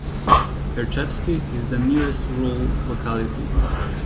Kerchevsky is the nearest rural locality.